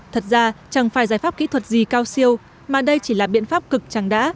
thật ra chẳng phải giải pháp kỹ thuật gì cao siêu mà đây chỉ là biện pháp cực chẳng đã